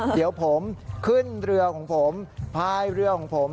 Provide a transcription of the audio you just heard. เดี๋ยวผมขึ้นเรือของผมพายเรือของผม